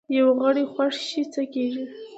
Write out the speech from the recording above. یو غړی خوږ شي څه کیږي؟